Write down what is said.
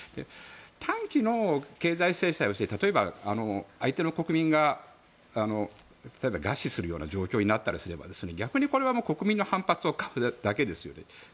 短期の経済制裁をして相手の国民が例えば餓死するような状況になったりすれば国民の反発を買うだけですよね。